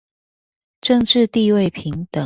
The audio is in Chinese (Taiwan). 政冶地位平等